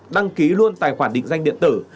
đăng ký luôn tài khoản định danh điện tử